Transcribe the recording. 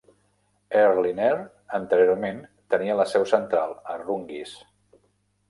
Airlinair anteriorment tenia la seu central a Rungis.